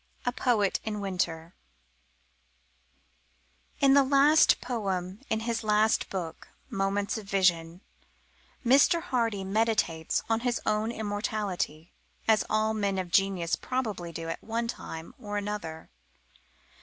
2. A POET IN WINTER In the last poem in his last book, Moments of Vision, Mr. Hardy meditates on his own immortality, as all men of genius probably do at one time or another.